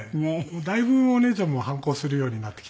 だいぶお姉ちゃんも反抗するようになってきたので。